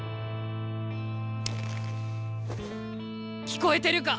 聞こえてるか？